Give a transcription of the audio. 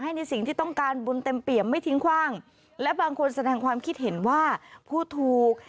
ในสิ่งที่ต้องการบุญเต็มเปี่ยมไม่ทิ้งคว่างและบางคนแสดงความคิดเห็นว่าผู้ถูก